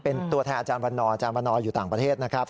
เป็นตัวแทนอาจารย์วันนอร์อาจารย์วันนออยู่ต่างประเทศนะครับ